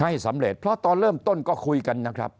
ให้สำเร็จเพราะตอนเริ่มต้นก็คุยกันนะครับ